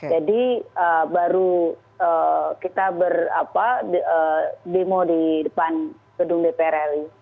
jadi baru kita demo di depan gedung dpr ri